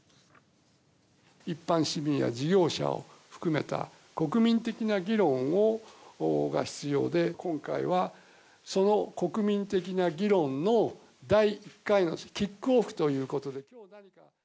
一般市民や事業者を含めた、国民的な議論が必要で、今回はその国民的な議論の第１回のキックオフということで。